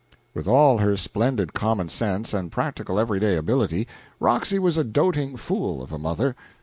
With all her splendid common sense and practical every day ability, Roxy was a doting fool of a mother.